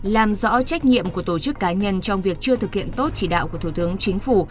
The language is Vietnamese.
làm rõ trách nhiệm của tổ chức cá nhân trong việc chưa thực hiện tốt chỉ đạo của thủ tướng chính phủ